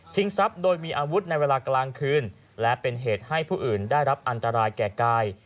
ทรัพย์โดยมีอาวุธในเวลากลางคืนและเป็นเหตุให้ผู้อื่นได้รับอันตรายแก่กาย